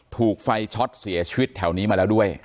ถูกไฟช็อตเสียชีวิตแถวนี้มาแล้วด้วย